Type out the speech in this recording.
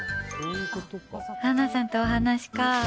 ハナさんとお話か。